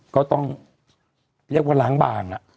ก็ต้องเรียกว่าล้างบาง